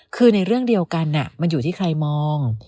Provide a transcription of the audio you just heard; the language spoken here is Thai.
คือในเรื่องเดียวกันมันอยู่ที่ใครมอง